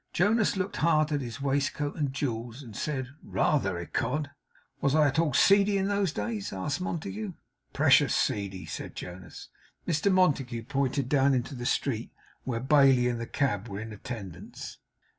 Jonas looked hard at his waistcoat and jewels; and said 'Rather, ecod!' 'Was I at all seedy in those days?' asked Montague. 'Precious seedy,' said Jonas. Mr Montague pointed down into the street, where Bailey and the cab were in attendance.